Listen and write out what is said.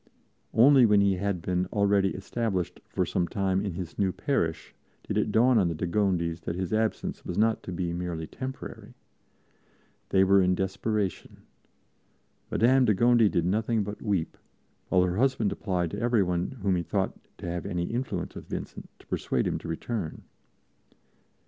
Only when he had been already established for some time in his new parish did it dawn on the de Gondis that his absence was not to be merely temporary. They were in desperation. Madame de Gondi did nothing but weep, while her husband applied to everyone whom he thought to have any influence with Vincent to persuade him to return.